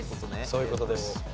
そういう事です。